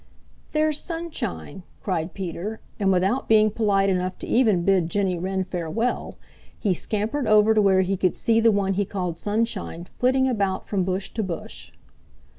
"There's Sunshine!" cried Peter, and without being polite enough to even bid Jenny Wren farewell, he scampered over to where he could see the one he called Sunshine flitting about from bush to bush.